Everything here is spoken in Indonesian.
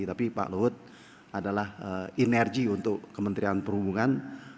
tapi pak luhut adalah energi untuk kementerian perhubungan